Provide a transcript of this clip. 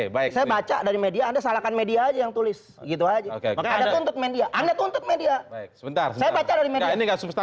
boleh silakan saja